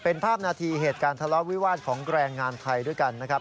เป็นภาพนาทีเหตุการณ์ทะเลาะวิวาสของแกรงงานไทยด้วยกันนะครับ